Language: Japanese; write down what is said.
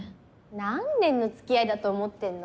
何年の付き合いだと思ってんの？